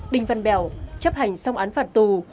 đinh văn bèo chấp hành xong án phạt tù